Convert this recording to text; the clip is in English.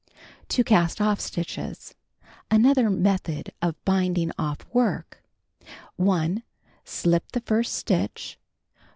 TO CAST OFF STITCHES (Another method of binding; off work) 1. Slip the first stitch.